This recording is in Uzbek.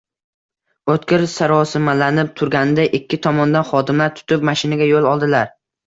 O`tkir sarosimalanib turganida ikki tomonidan xodimlar tutib, mashinaga yo`l oldilar